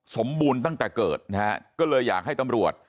สมบูรณ์ตั้งแต่เกิดนะฮะก็เลยอยากให้ตำรวจ